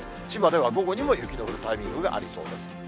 千葉では午後にも雪の降るタイミングがありそうです。